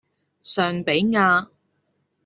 尚比亞